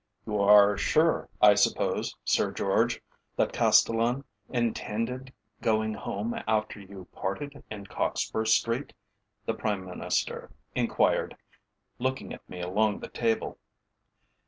"You are sure, I suppose, Sir George, that Castellan intended going home after you parted in Cockspur Street," the Prime Minister enquired, looking at me along the table.